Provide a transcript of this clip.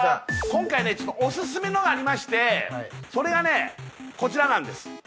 今回ねちょっとオススメのがありましてそれがねこちらなんです